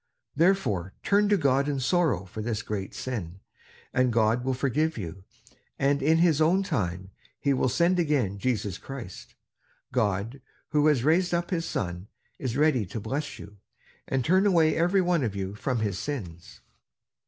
Therefore turn to God in sorrow for this great sin, and God will forgive you, and in his own time he will send again Jesus Christ. God, who has raised up his Son, is ready to bless you, and turn away every one of you from his sins."